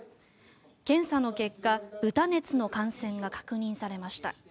検査の結果豚熱の感染が確認されました。